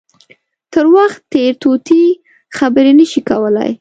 تر وخت تېر طوطي خبرې نه شي کولای.